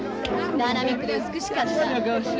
ダイナミックで美しかった。